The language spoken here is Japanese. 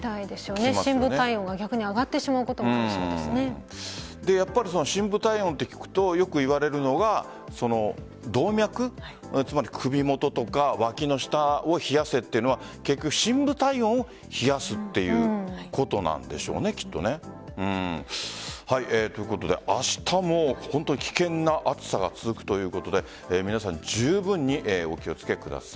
深部体温が逆に上がってしまうことも深部体温って聞くとよくいわれるのが動脈つまり、首元とか脇の下を冷やせというのは深部体温を冷やすということなんでしょうねきっと。ということで明日も危険な暑さが続くということで皆さんじゅうぶんにお気を付けください。